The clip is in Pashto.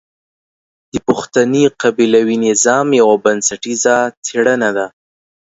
د پښتني قبيلوي نظام يوه بنسټيزه څېړنه ده.